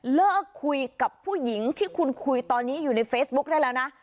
เลิกคุยกับผู้หญิงที่คุณคุยตอนนี้อยู่ในเฟซบุ๊คได้แล้วนะ